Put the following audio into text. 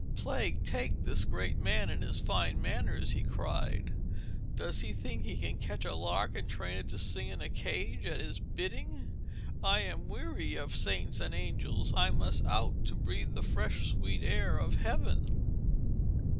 'Plague take this great man and his fine manners,' he cried. 'Does he think he can catch a lark and train it to sing in a cage at his bidding? I am weary of saints and angels. I must out to breathe the fresh sweet air of heaven.'